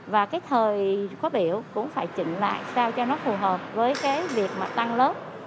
và cái thời khóa biểu cũng phải chỉnh lại sao cho nó phù hợp với cái việc mà tăng lớp